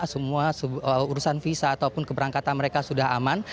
semua urusan visa ataupun keberangkatan mereka sudah aman